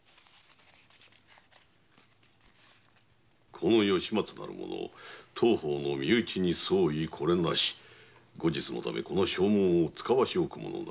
「この吉松なる者当方の身内に相違これなし」「後日のためこの証文を遣わしおくもの也」